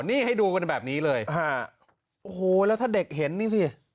นี่ให้ดูกันแบบนี้เลยฮะโอ้โหแล้วถ้าเด็กเห็นนี่สิ